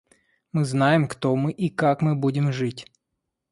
Мы знаем, кто мы и как мы будем жить.